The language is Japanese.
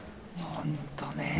本当ね。